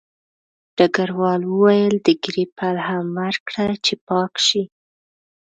ډګروال وویل د ږیرې پل هم ورکړه چې پاک شي